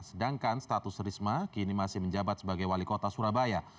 sedangkan status risma kini masih menjabat sebagai wali kota surabaya